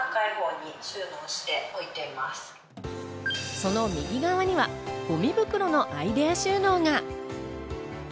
その右側にはごみ袋のアイデア収納が。